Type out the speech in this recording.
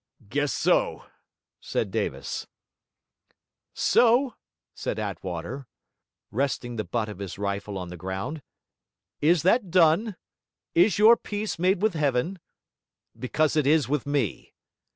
'Guess so,' said Davis. So?' said Attwater, resting the butt of his rifle on the ground, 'is that done? Is your peace made with Heaven? Because it is with me.